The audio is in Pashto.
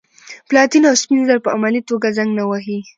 پلاتین او سپین زر په عملي توګه زنګ نه وهي.